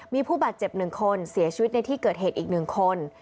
มีผู้บาดเจ็บ๑คนเสียชีวิตในที่เกิดเหตุอีก๑คน